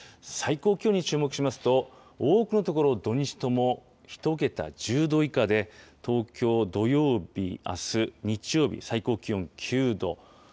最高気温に注目しますと、多くの所、土日とも１桁、１０度以下で、東京、土曜日、あす、日曜日、最高気温９度。